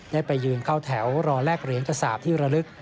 ได้ไปยืนเข้าแถวรอแลกเหรียญกระสาปที่ระลึก